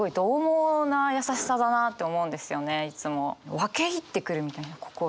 分け入ってくるみたいな心に。